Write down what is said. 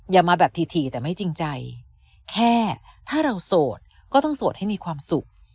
อย่ามาแบบถี่แต่ไม่จริงใจแค่ถ้าเราโสดก็ต้องโสดให้มีความสุข